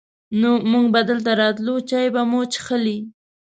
نو مونږ به دلته راتلو، چای به مو چښلې.